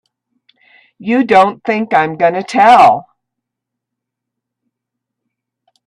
You don't think I'm gonna tell!